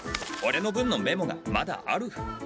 オレの分のメモがまだある。